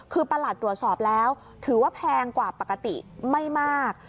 คือประหลัดตรวจสอบแล้วถือว่าแพงกว่าปกติไม่มาก